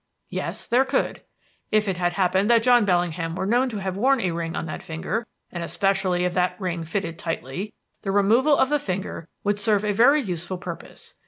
Yes, there could. "If it had happened that John Bellingham were known to have worn a ring on that finger, and especially if that ring fitted tightly, the removal of the finger would serve a very useful purpose.